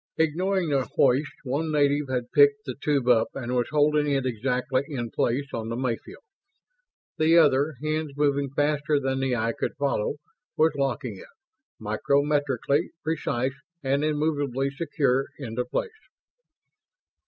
Ignoring the hoist, one native had picked the tube up and was holding it exactly in place on the Mayfield. The other, hands moving faster than the eye could follow, was locking it micrometrically precise and immovably secure into place.